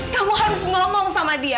kamu harus ngomong sama dia